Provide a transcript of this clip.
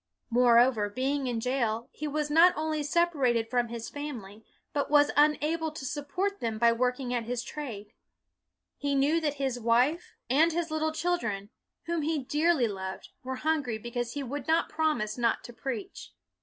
Moreover, being in jail, he was not only separated from his family, but was unable to support them by working at his trade. He knew that his wife and his 268 BUNYAN little children, whom he dearly loved, were hungry because he would not promise not to preach.